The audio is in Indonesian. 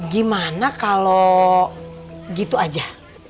gimana kalau gitu aja